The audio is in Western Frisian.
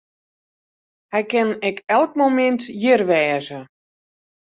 Hy kin ek elk momint hjir wêze.